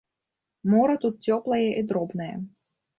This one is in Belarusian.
Мора тут цёплае і дробнае.